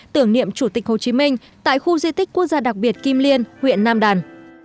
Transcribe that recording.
tưởng niệm chủ tịch hồ chí minh tại khu di tích quốc gia đặc biệt kim liên huyện nam đàn